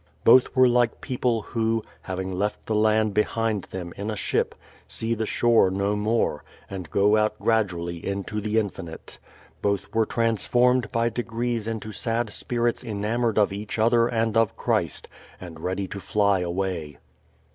BotVwere like people, who, having left the land behind them, in a1 ship, see the shoro no more, and go out gradually into the jnfinite. Both were transformed by degrees into sad spirits enamored of each other and of Christ, and ready to fly away.